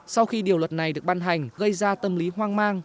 sau khi điều luật này được ban hành gây ra tâm lý hoang mang